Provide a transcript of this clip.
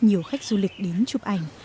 nhiều khách du lịch đến chụp ảnh